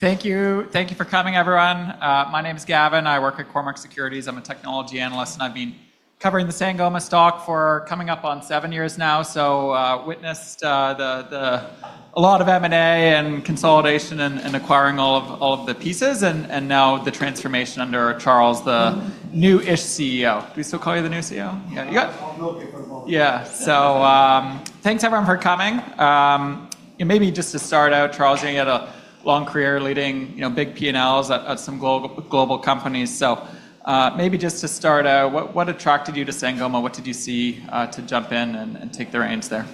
Thank you. Thank you for coming, everyone. My name is Gavin. I work at Cormark Securities. I'm a Technology Analyst, and I've been covering the Sangoma stock for coming up on seven years now. I've witnessed a lot of M&A and consolidation and acquiring all of the pieces, and now the transformation under Charles, the new-ish CEO. Do we still call you the new CEO? Yeah, you got it. Yeah. Thank you everyone for coming. Maybe just to start out, Charles, you had a long career leading big P&Ls at some global companies. Maybe just to start out, what attracted you to Sangoma? What did you see to jump in and take the reins there?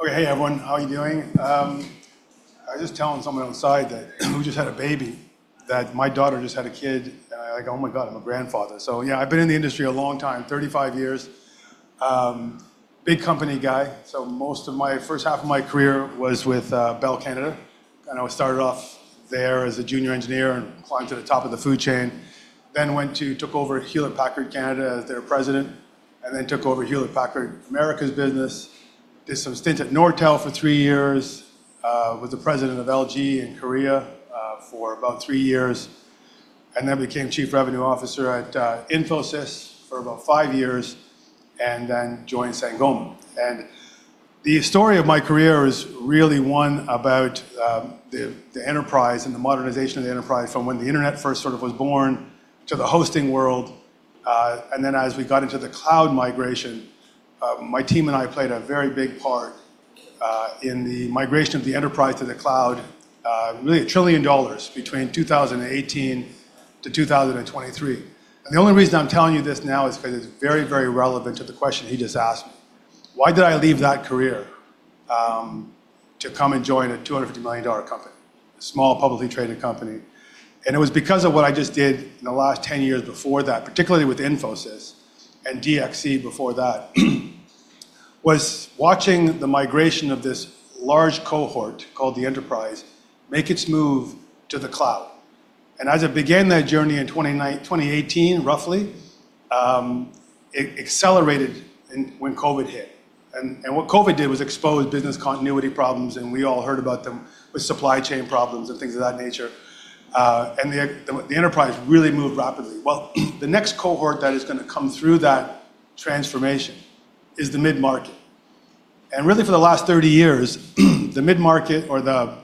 Okay. Hey, everyone. How are you doing? I was just telling someone on the side who just had a baby that my daughter just had a kid. And I like, oh my God, I'm a grandfather. Yeah, I've been in the industry a long time, 35 years. Big company guy. Most of my first half of my career was with Bell Canada, and I started off there as a junior engineer and climbed to the top of the food chain. I then went to, took over Hewlett Packard Canada as their President, and then took over Hewlett Packard America's business. I did some stints at Nortel for three years. I was the President of LG in Korea for about three years, and then became Chief Revenue Officer at Infosys for about five years, and then joined Sangoma. The story of my career is really one about the enterprise and the modernization of the enterprise from when the internet first sort of was born to the hosting world. As we got into the cloud migration, my team and I played a very big part in the migration of the enterprise to the cloud, really a trillion dollars between 2018 to 2023. The only reason I'm telling you this now is because it's very, very relevant to the question he just asked me. Why did I leave that career to come and join a $250 million company, a small publicly traded company? It was because of what I just did in the last 10 years before that, particularly with Infosys and DXC before that, was watching the migration of this large cohort called the enterprise make its move to the cloud. As it began that journey in 2018, roughly it accelerated when COVID hit. What COVID did was expose business continuity problems, and we all heard about them with supply chain problems and things of that nature. The enterprise really moved rapidly. The next cohort that is going to come through that transformation is the mid-market. For the last 30 years, the mid-market or the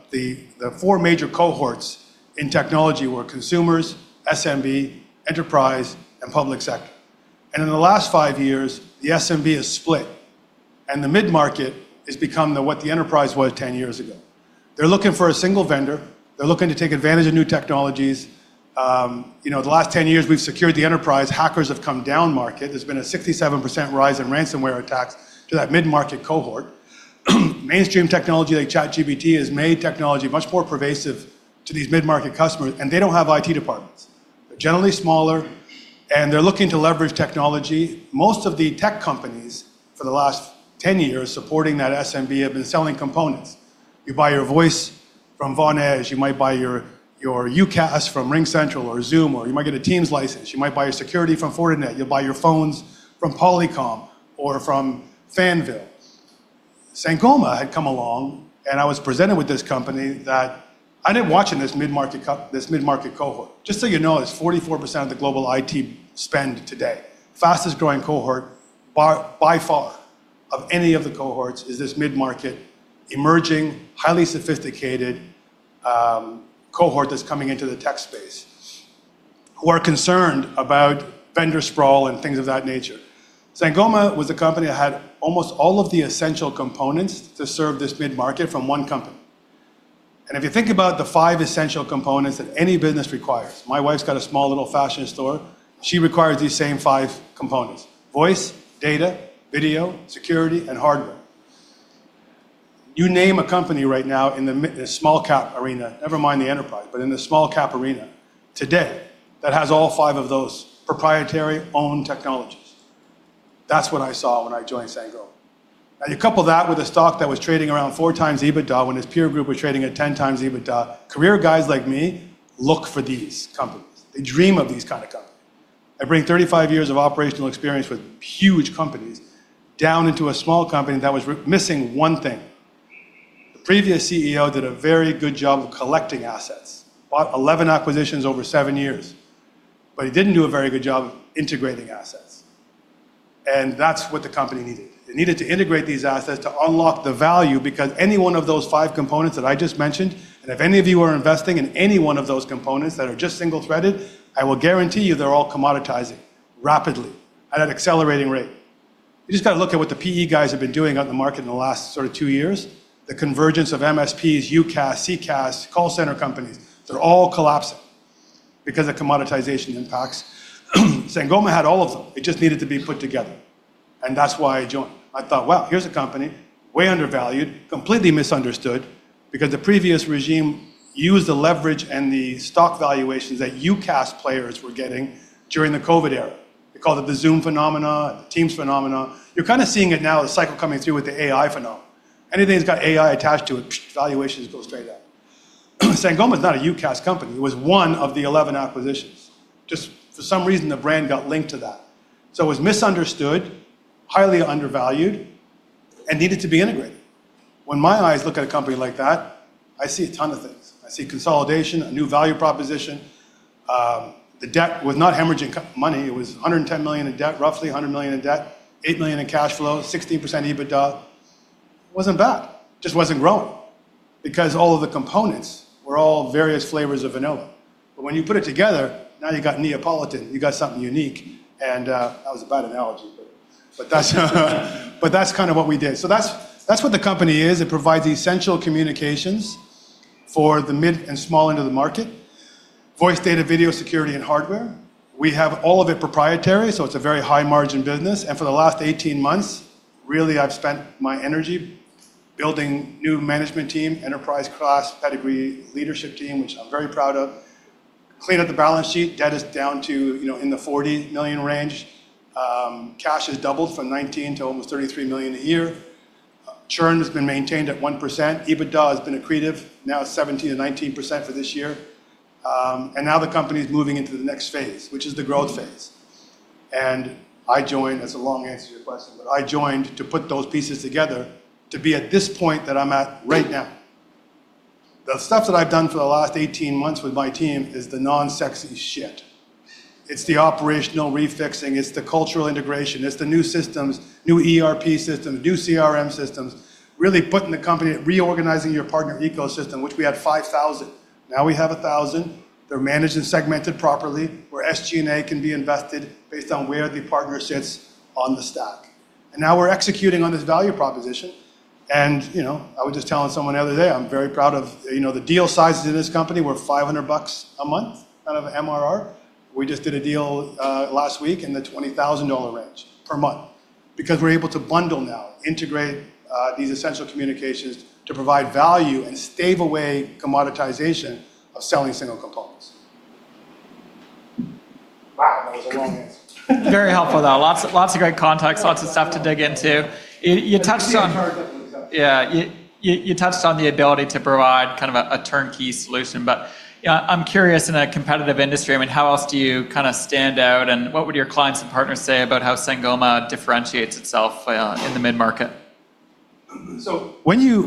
four major cohorts in technology were consumers, SMB, enterprise, and public sector. In the last five years, the SMB has split, and the mid-market has become what the enterprise was 10 years ago. They're looking for a single vendor. They're looking to take advantage of new technologies. The last 10 years we've secured the enterprise. Hackers have come down market. There's been a 67% rise in ransomware attacks to that mid-market cohort. Mainstream technology like ChatGPT has made technology much more pervasive to these mid-market customers, and they don't have IT departments. They're generally smaller, and they're looking to leverage technology. Most of the tech companies for the last 10 years supporting that SMB have been selling components. You buy your voice from Vonage. You might buy your UCaaS from RingCentral or Zoom, or you might get a Teams license. You might buy your security from Fortinet. You'll buy your phones from Polycom or from Fanville. Sangoma had come along, and I was presented with this company that I ended up watching this mid-market cohort. Just so you know, it's 44% of the global IT spend today. Fastest growing cohort by far of any of the cohorts is this mid-market emerging, highly sophisticated cohort that's coming into the tech space who are concerned about vendor sprawl and things of that nature. Sangoma was a company that had almost all of the essential components to serve this mid-market from one company. If you think about the five essential components that any business requires, my wife's got a small little fashion store. She requires these same five components: voice, data, video, security, and hardware. You name a company right now in the small cap arena, never mind the enterprise, but in the small cap arena today that has all five of those proprietary owned technologies. That's what I saw when I joined Sangoma. Now you couple that with a stock that was trading around four times EBITDA when his peer group was trading at 10 times EBITDA. Career guys like me look for these companies. They dream of these kind of companies. I bring 35 years of operational experience with huge companies down into a small company that was missing one thing. The previous CEO did a very good job of collecting assets, bought 11 acquisitions over seven years, but he didn't do a very good job of integrating assets. That's what the company needed. It needed to integrate these assets to unlock the value, because any one of those five components that I just mentioned, and if any of you are investing in any one of those components that are just single threaded, I will guarantee you they're all commoditizing rapidly at an accelerating rate. You just got to look at what the PE guys have been doing out in the market in the last sort of two years. The convergence of MSPs, UCaaS, CCaaS, call center companies, they're all collapsing because of commoditization impacts. Sangoma had all of them. It just needed to be put together. That's why I joined. I thought, wow, here's a company way undervalued, completely misunderstood because the previous regime used the leverage and the stock valuations that UCaaS players were getting during the COVID era. They called it the Zoom phenomena, the Teams phenomena. You're kind of seeing it now, the cycle coming through with the AI phenomena. Anything that's got AI attached to it, valuations go straight up. Sangoma is not a UCaaS company. It was one of the 11 acquisitions. For some reason, the brand got linked to that. It was misunderstood, highly undervalued, and needed to be integrated. When my eyes look at a company like that, I see a ton of things. I see consolidation, a new value proposition. The debt was not hemorrhaging money. It was $110 million in debt, roughly $100 million in debt, $8 million in cash flow, 16% EBITDA. It wasn't bad. It just wasn't growing because all of the components were all various flavors of vanilla. When you put it together, now you got Neapolitan. You got something unique. That was a bad analogy, but that's kind of what we did. That's what the company is. It provides the essential communications for the mid and small end of the market: voice, data, video, security, and hardware. We have all of it proprietary, so it's a very high margin business. For the last 18 months, really, I've spent my energy building a new management team, enterprise class pedigree leadership team, which I'm very proud of. Clean up the balance sheet. Debt is down to, you know, in the $40 million range. Cash has doubled from $19 million to almost $33 million a year. Churn has been maintained at 1%. EBITDA has been accretive now 17% to 19% for this year. Now the company is moving into the next phase, which is the growth phase. I joined, that's a long answer to your question, but I joined to put those pieces together to be at this point that I'm at right now. The stuff that I've done for the last 18 months with my team is the non-sexy shit. It's the operational refixing. It's the cultural integration. It's the new systems, new ERP systems, new CRM systems, really putting the company, reorganizing your partner ecosystem, which we had 5,000. Now we have 1,000. They're managed and segmented properly where SG&A can be invested based on where the partner sits on the stack. Now we're executing on this value proposition. I was just telling someone the other day, I'm very proud of, you know, the deal sizes in this company were $500 a month, kind of MRR. We just did a deal last week in the $20,000 range per month because we're able to bundle now, integrate these essential communications to provide value and stave away commoditization of selling single components. Wow, that was a long answer. Very helpful though. Lots of great context, lots of stuff to dig into. Yeah, you touched on the ability to provide kind of a turnkey solution. I'm curious, in a competitive industry, how else do you kind of stand out and what would your clients and partners say about how Sangoma differentiates itself in the mid-market?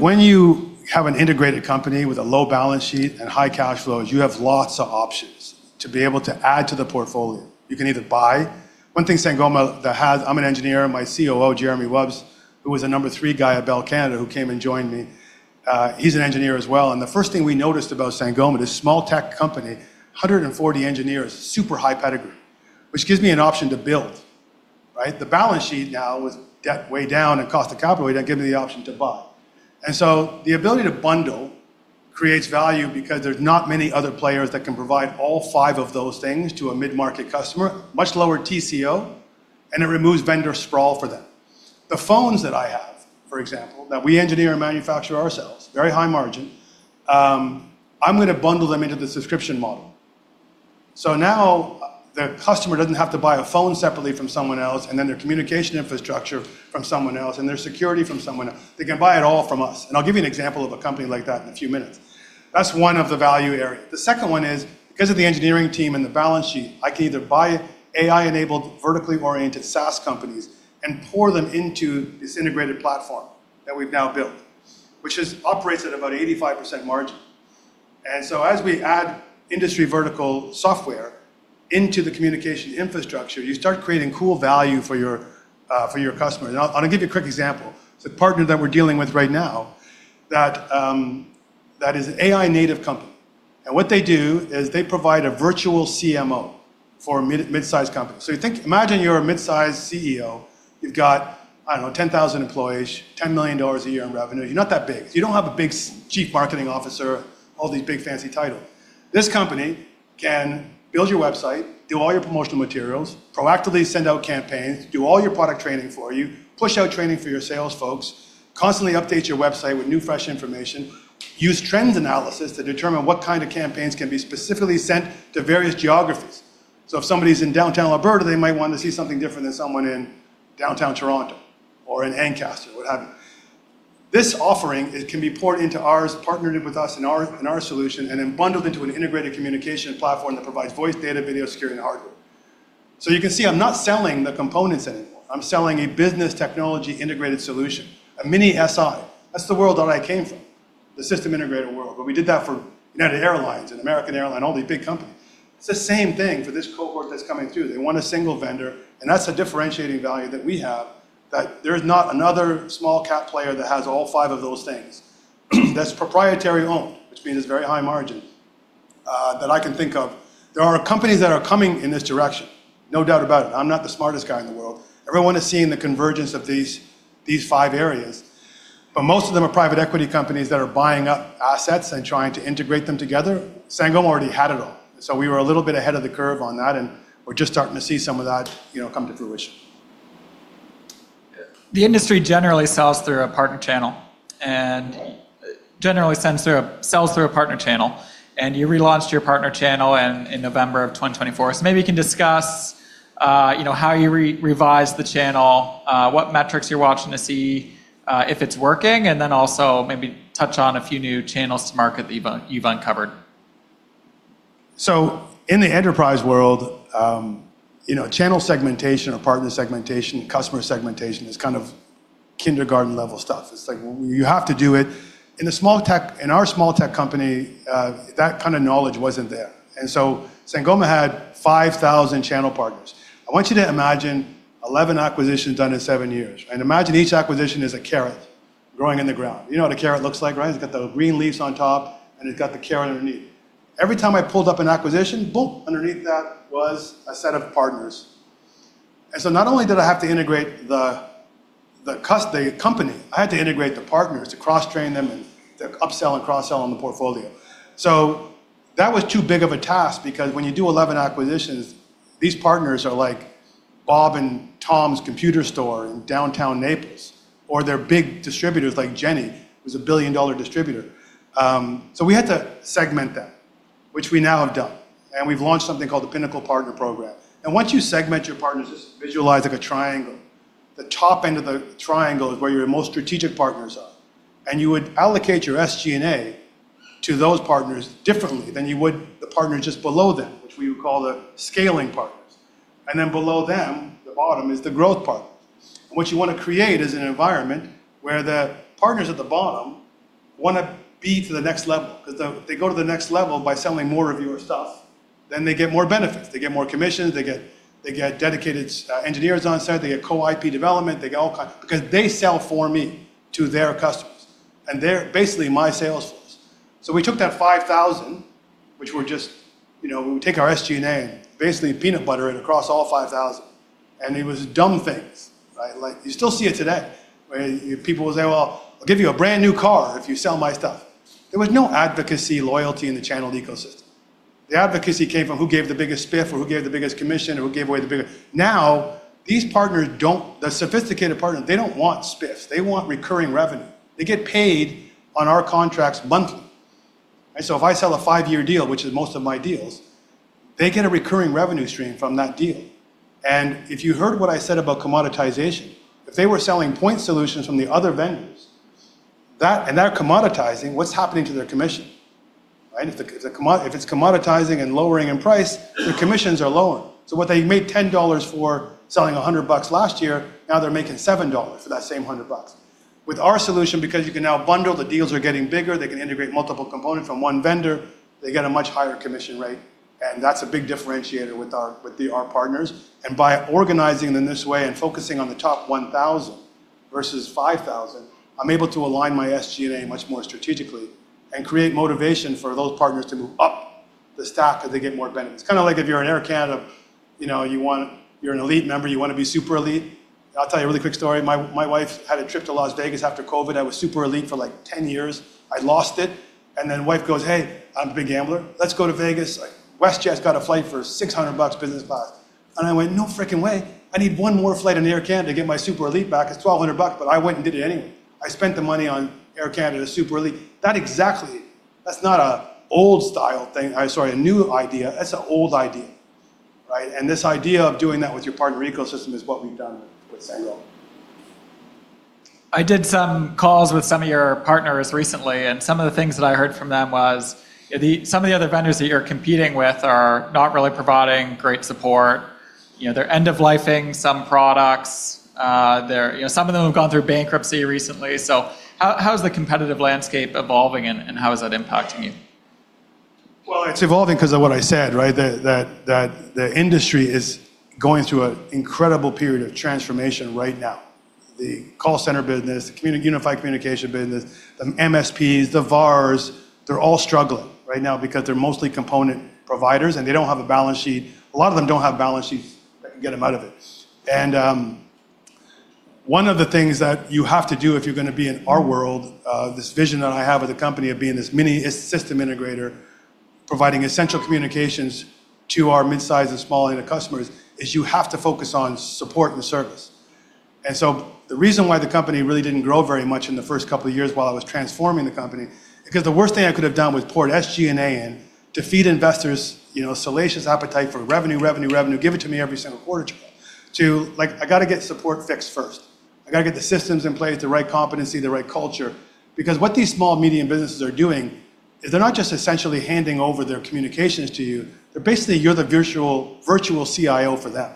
When you have an integrated company with a low balance sheet and high cash flows, you have lots of options to be able to add to the portfolio. You can either buy. One thing Sangoma has, I'm an engineer, my COO, Jeremy Wubs, who was a number three guy at Bell Canada who came and joined me, he's an engineer as well. The first thing we noticed about Sangoma, this small tech company, 140 engineers, super high pedigree, which gives me an option to build. The balance sheet now was debt way down and cost of capital way down, giving me the option to buy. The ability to bundle creates value because there's not many other players that can provide all five of those things to a mid-market customer, much lower TCO, and it removes vendor sprawl for them. The phones that I have, for example, that we engineer and manufacture ourselves, very high margin, I'm going to bundle them into the subscription model. Now the customer doesn't have to buy a phone separately from someone else, then their communication infrastructure from someone else, and their security from someone else. They can buy it all from us. I'll give you an example of a company like that in a few minutes. That's one of the value areas. The second one is because of the engineering team and the balance sheet, I can either buy AI-enabled, vertically oriented SaaS companies and pour them into this integrated platform that we've now built, which operates at about 85% margin. As we add industry vertical software into the communication infrastructure, you start creating cool value for your customers. I'll give you a quick example. It's a partner that we're dealing with right now that is an AI-native company. What they do is they provide a virtual CMO for a mid-sized company. Imagine you're a mid-sized CEO. You've got, I don't know, 10,000 employees, $10 million a year in revenue. You're not that big. You don't have a big Chief Marketing Officer, all these big fancy titles. This company can build your website, do all your promotional materials, proactively send out campaigns, do all your product training for you, push out training for your sales folks, constantly update your website with new fresh information, use trends analysis to determine what kind of campaigns can be specifically sent to various geographies. If somebody's in downtown Alberta, they might want to see something different than someone in downtown Toronto or in Ancaster or what have you. This offering can be poured into our partnership with us in our solution and then bundled into an integrated communication platform that provides voice, data, video, security, and hardware. You can see I'm not selling the components anymore. I'm selling a business technology integrated solution, a mini SI. That's the world that I came from, the system integrator world. We did that for United Airlines and American Airlines, all these big companies. It's the same thing for this cohort that's coming through. They want a single vendor, and that's a differentiating value that we have that there is not another small cap player that has all five of those things. That's proprietary owned, which means it's very high margin that I can think of. There are companies that are coming in this direction, no doubt about it. I'm not the smartest guy in the world. Everyone is seeing the convergence of these five areas, but most of them are private equity companies that are buying up assets and trying to integrate them together. Sangoma already had it all. We were a little bit ahead of the curve on that, and we're just starting to see some of that come to fruition. The industry generally sells through a partner channel and generally sells through a partner channel. You relaunched your partner channel in November of 2024. Maybe you can discuss how you revised the channel, what metrics you're watching to see if it's working, and also maybe touch on a few new channels to market that you've uncovered. In the enterprise world, you know, channel segmentation or partner segmentation, customer segmentation is kind of kindergarten level stuff. It's like you have to do it. In our small tech company, that kind of knowledge wasn't there. Sangoma had 5,000 channel partners. I want you to imagine 11 acquisitions done in seven years. Imagine each acquisition is a carrot growing in the ground. You know what a carrot looks like, right? It's got the green leaves on top, and it's got the carrot underneath. Every time I pulled up an acquisition, boom, underneath that was a set of partners. Not only did I have to integrate the company, I had to integrate the partners to cross-train them and to upsell and cross-sell on the portfolio. That was too big of a task because when you do 11 acquisitions, these partners are like Bob and Tom's computer store in downtown Naples, or they're big distributors like Jenny, who's a billion-dollar distributor. We had to segment that, which we now have done. We've launched something called the Pinnacle Partner Program. Once you segment your partners, just visualize like a triangle. The top end of the triangle is where your most strategic partners are. You would allocate your SG&A to those partners differently than you would the partners just below them, which we would call the scaling partners. Below them, the bottom is the growth partners. What you want to create is an environment where the partners at the bottom want to be to the next level because they go to the next level by selling more of your stuff. Then they get more benefits. They get more commissions. They get dedicated engineers on site. They get co-IP development. They get all kinds of, because they sell for me to their customers and they're basically my sales force. We took that 5,000, which were just, you know, we take our SG&A and basically peanut butter it across all 5,000. It was dumb things. Right? You still see it today. People will say, well, I'll give you a brand new car if you sell my stuff. There was no advocacy loyalty in the channel ecosystem. The advocacy came from who gave the biggest spiff or who gave the biggest commission or who gave away the biggest. Now these partners don't, the sophisticated partners, they don't want spiffs. They want recurring revenue. They get paid on our contracts monthly. If I sell a five-year deal, which is most of my deals, they get a recurring revenue stream from that deal. If you heard what I said about commoditization, if they were selling point solutions from the other vendors and they're commoditizing, what's happening to their commission? If it's commoditizing and lowering in price, their commissions are lower. What they made $10 for selling $100 last year, now they're making $7 for that same $100. With our solution, because you can now bundle, the deals are getting bigger. They can integrate multiple components from one vendor. They get a much higher commission rate. That's a big differentiator with our partners. By organizing them this way and focusing on the top 1,000 versus 5,000, I'm able to align my SG&A much more strategically and create motivation for those partners to move up the stack as they get more benefits. It's kind of like if you're an Air Canada and you're an elite member, you want to be super elite. I'll tell you a really quick story. My wife had a trip to Las Vegas after COVID. I was super elite for like 10 years. I lost it. My wife goes, "Hey, I'm a big gambler. Let's go to Vegas. WestJet's got a flight for $600 business class." I went, "No fricking way. I need one more flight in Air Canada to get my super elite back. It's $1,200, but I went and did it anyway." I spent the money on Air Canada super elite. That, exactly, that's not a new idea. That's an old idea. This idea of doing that with your partner ecosystem is what we've done with Sangoma. I did some calls with some of your partners recently, and some of the things that I heard from them was some of the other vendors that you're competing with are not really providing great support. They're end-of-lifing some products. Some of them have gone through bankruptcy recently. How is the competitive landscape evolving, and how is that impacting you? It's evolving because of what I said, right? The industry is going through an incredible period of transformation right now. The call center business, the unified communication business, the MSPs, the VARs, they're all struggling right now because they're mostly component providers and they don't have a balance sheet. A lot of them don't have balance sheets that can get them out of it. One of the things that you have to do if you're going to be in our world, this vision that I have with the company of being this mini system integrator, providing essential communications to our mid-sized and small end customers, is you have to focus on support and service. The reason why the company really didn't grow very much in the first couple of years while I was transforming the company is because the worst thing I could have done was pour SG&A in to feed investors a salacious appetite for revenue, revenue, revenue, give it to me every single quarter. I got to get support fixed first. I got to get the systems in place, the right competency, the right culture. What these small medium businesses are doing is they're not just essentially handing over their communications to you. They're basically, you're the virtual CIO for them,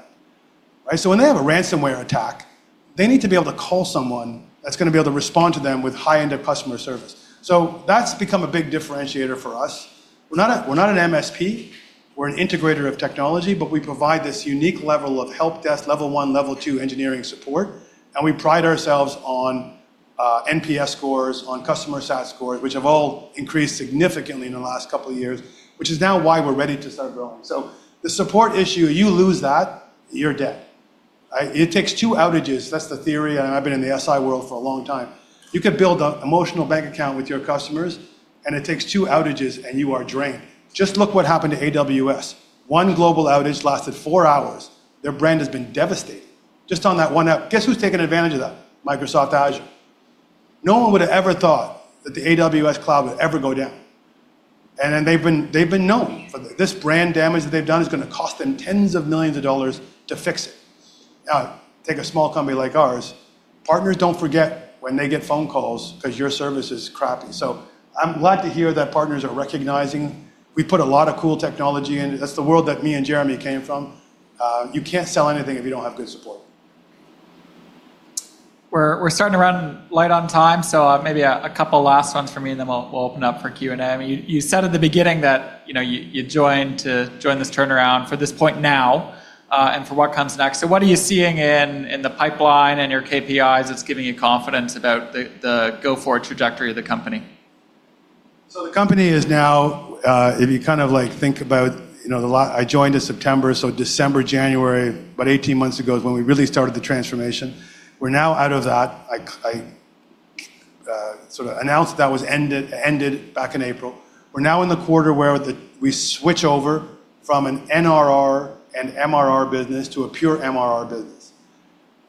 right? When they have a ransomware attack, they need to be able to call someone that's going to be able to respond to them with high-end customer service. That's become a big differentiator for us. We're not an MSP. We're an integrator of technology, but we provide this unique level of help desk, level one, level two engineering support. We pride ourselves on NPS scores, on customer SaaS scores, which have all increased significantly in the last couple of years, which is now why we're ready to start growing. The support issue, you lose that, you're dead. It takes two outages. That's the theory. I've been in the SI world for a long time. You could build an emotional bank account with your customers, and it takes two outages, and you are drained. Just look what happened to AWS. One global outage lasted four hours. Their brand has been devastated just on that one app. Guess who's taken advantage of that? Microsoft Azure. No one would have ever thought that the AWS cloud would ever go down. They've been known for this brand damage that they've done is going to cost them 10s of millions of dollars to fix it. Now, take a small company like ours. Partners don't forget when they get phone calls because your service is crappy. I'm glad to hear that partners are recognizing. We put a lot of cool technology in. That's the world that me and Jeremy came from. You can't sell anything if you don't have good support. We're starting to run light on time, so maybe a couple last ones from me, and then we'll open up for Q&A. You said at the beginning that you joined to join this turnaround for this point now and for what comes next. What are you seeing in the pipeline and your KPIs that's giving you confidence about the go forward trajectory of the company? The company is now, if you kind of like think about, you know, I joined in September, so December, January, about 18 months ago is when we really started the transformation. We're now out of that. I sort of announced that was ended back in April. We're now in the quarter where we switch over from an NRR and MRR business to a pure MRR business.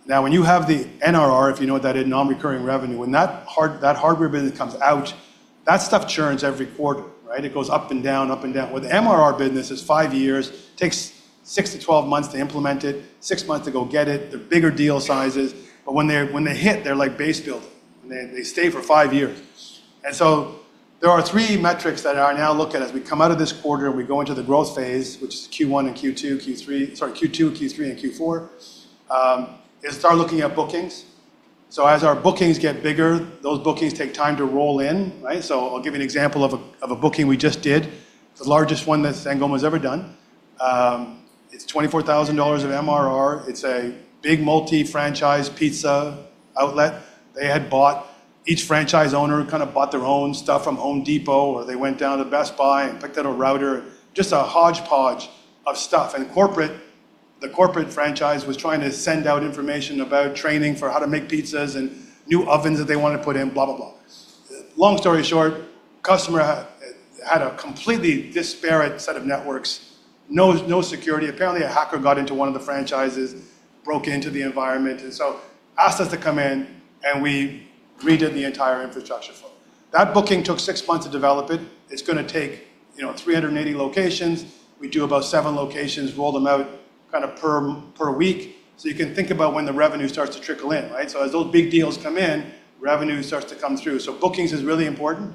When you have the NRR, if you know what that is, non-recurring revenue, when that hardware business comes out, that stuff churns every quarter. It goes up and down, up and down. Where the MRR business is five years, it takes six to 12 months to implement it, six months to go get it. They're bigger deal sizes. When they hit, they're like base building. They stay for five years. There are three metrics that I now look at as we come out of this quarter and we go into the growth phase, which is Q1 and Q2, Q3, sorry, Q2, Q3, and Q4. Start looking at bookings. As our bookings get bigger, those bookings take time to roll in. I'll give you an example of a booking we just did. It's the largest one that Sangoma has ever done. It's $24,000 of MRR. It's a big multi-franchise pizza outlet. They had bought, each franchise owner kind of bought their own stuff from Home Depot, or they went down to Best Buy and picked out a router, just a hodgepodge of stuff. The corporate franchise was trying to send out information about training for how to make pizzas and new ovens that they wanted to put in, blah, blah, blah. Long story short, the customer had a completely disparate set of networks, no security. Apparently, a hacker got into one of the franchises, broke into the environment, and asked us to come in, and we redid the entire infrastructure flow. That booking took six months to develop it. It's going to take, you know, 380 locations. We do about seven locations, roll them out kind of per week. You can think about when the revenue starts to trickle in. As those big deals come in, revenue starts to come through. Bookings is really important.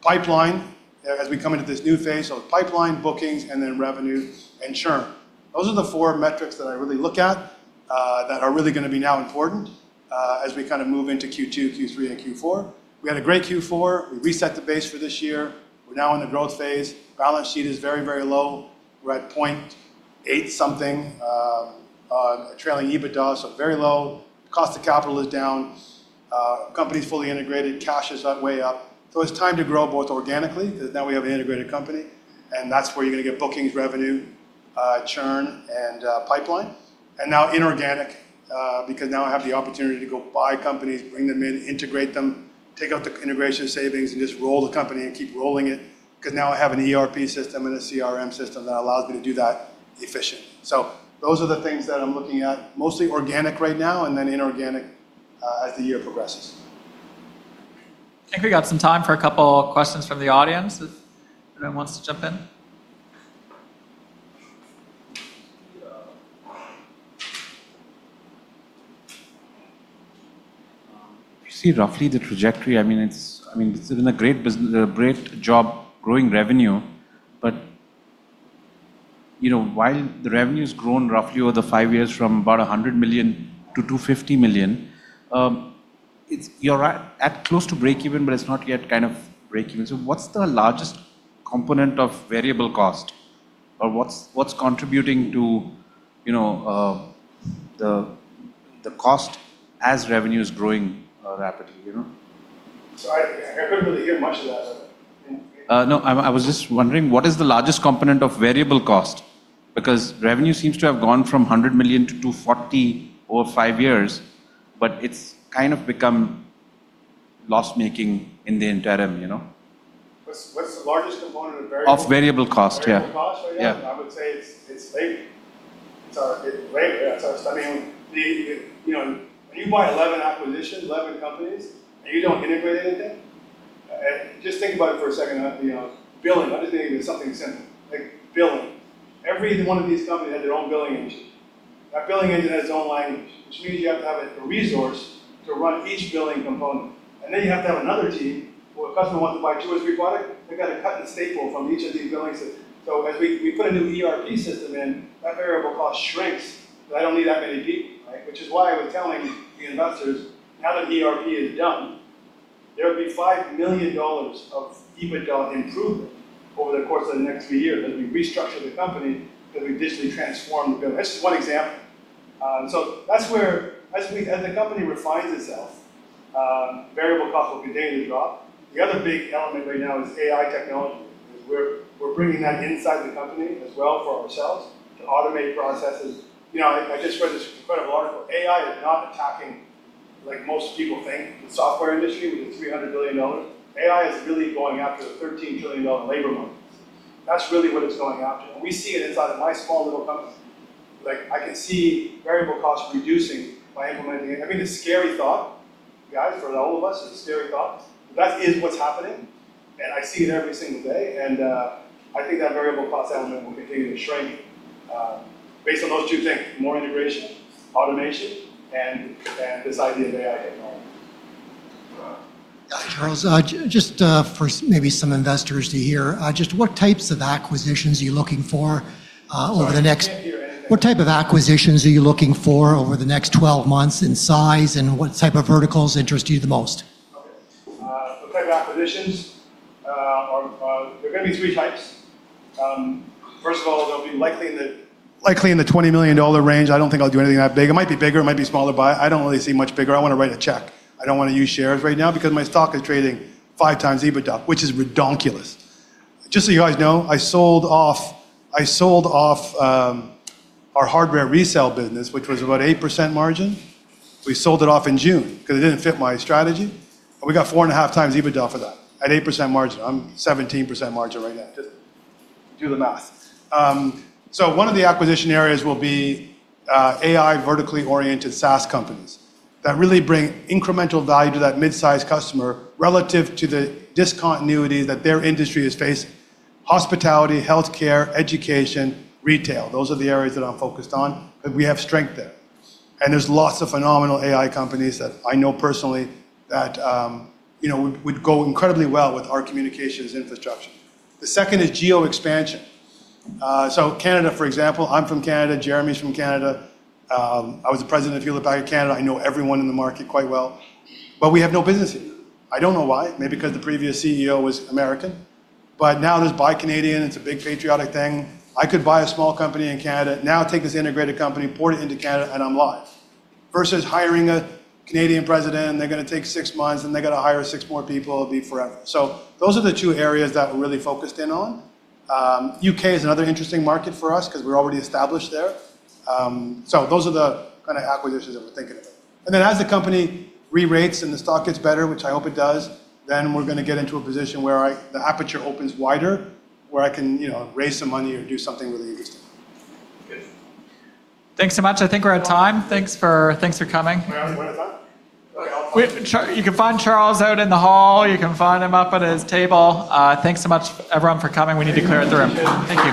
Pipeline, as we come into this new phase, so pipeline, bookings, and then revenue and churn. Those are the four metrics that I really look at that are really going to be now important as we kind of move into Q2, Q3, and Q4. We had a great Q4. We reset the base for this year. We're now in the growth phase. Balance sheet is very, very low. We're at 0.8 something on trailing EBITDA, so very low. Cost of capital is down. Company's fully integrated. Cash is way up. It's time to grow both organically because now we have an integrated company. That's where you're going to get bookings, revenue, churn, and pipeline. Now inorganic because now I have the opportunity to go buy companies, bring them in, integrate them, take out the integration savings, and just roll the company and keep rolling it because now I have an ERP system and a CRM system that allows me to do that efficiently. Those are the things that I'm looking at, mostly organic right now and then inorganic as the year progresses. I think we have some time for a couple of questions from the audience if anyone wants to jump in. I see roughly the trajectory. I mean, it's been a great job growing revenue, but while the revenue has grown roughly over the five years from about $100 million to $250 million, you're at close to break even, but it's not yet kind of break even. What's the largest component of variable cost or what's contributing to the cost as revenue is growing rapidly? I couldn't really hear much of that. No, I was just wondering what is the largest component of variable cost, because revenue seems to have gone from $100 million to $240 million over five years, but it's kind of become loss-making in the interim, you know. What's the largest component of variable cost? Of variable cost, yeah. I would say it's labor. It's our studying with, you know, you buy 11 acquisitions, 11 companies, and you don't integrate anything. Just think about it for a second. You know, billing, I'm just giving you something simple, like billing. Every one of these companies had their own billing engine. That billing engine has its own language, which means you have to have a resource to run each billing component. You have to have another team where a customer wants to buy two or three products. They've got to cut and staple from each of these billings. As we put a new ERP system in, that variable cost shrinks because I don't need that many people, right? Which is why I was telling the investors now that ERP is done, there will be $5 million of EBITDA improvement over the course of the next three years as we restructure the company because we've digitally transformed the bill. That's just one example. That's where, as the company refines itself, variable cost will continue to drop. The other big element right now is AI technology. We're bringing that inside the company as well for ourselves to automate processes. I just read this incredible article. AI is not attacking, like most people think, the software industry with the $300 billion. AI is really going after the $13 trillion labor market. That's really what it's going after. We see it inside of my small little company. I can see variable cost reducing by implementing it. I mean, it's a scary thought, guys, for all of us. It's a scary thought. That is what's happening. I see it every single day. I think that variable cost element will continue to shrink based on those two things: more integration, automation, and this idea of AI technology. Yeah, Charles. For maybe some investors to hear, what types of acquisitions are you looking for over the next 12 months in size, and what type of verticals interest you the most? Okay. Type of acquisitions, there are going to be three types. First of all, they'll be likely in the $20 million range. I don't think I'll do anything that big. It might be bigger, it might be smaller, but I don't really see much bigger. I want to write a check. I don't want to use shares right now because my stock is trading five times EBITDA, which is ridiculous. Just so you guys know, I sold off our hardware resale business, which was about 8% margin. We sold it off in June because it didn't fit my strategy. We got four and a half times EBITDA for that at 8% margin. I'm 17% margin right now. Just do the math. One of the acquisition areas will be AI vertically oriented SaaS companies that really bring incremental value to that mid-sized customer relative to the discontinuity that their industry is facing. Hospitality, healthcare, education, retail. Those are the areas that I'm focused on because we have strength there. There are lots of phenomenal AI companies that I know personally that would go incredibly well with our communications infrastructure. The second is geo expansion. Canada, for example, I'm from Canada. Jeremy's from Canada. I was the President of Hewlett Packard Canada. I know everyone in the market quite well. We have no business here. I don't know why. Maybe because the previous CEO was American. Now there's Buy Canadian. It's a big patriotic thing. I could buy a small company in Canada. Now take this integrated company, port it into Canada, and I'm live. Versus hiring a Canadian President, and they're going to take six months, and they've got to hire six more people. It'll be forever. Those are the two areas that we're really focused in on. UK is another interesting market for us because we're already established there. Those are the kind of acquisitions that we're thinking about. As the company re-rates and the stock gets better, which I hope it does, we're going to get into a position where the aperture opens wider, where I can raise some money or do something really interesting. Thanks so much. I think we're out of time. Thanks for coming. You can find Charles out in the hall or up at his table. Thanks so much, everyone, for coming. We need to clear out the room. Thank you.